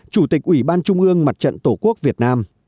chủ tịch ủy ban trung ương mặt trận tổ quốc việt nam